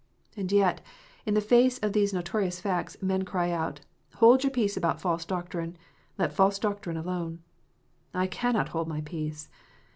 And yet, in the face of these notorious facts, men cry out, "Hold your peace about false doctrine. Let false doctrine alone !" I cannot hold my peace.